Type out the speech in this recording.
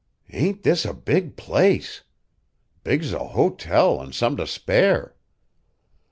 "Ain't this a big place! Big's a hotel an' some to spare."